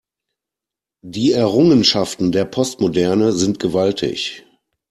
Die Errungenschaften der Postmoderne sind gewaltig.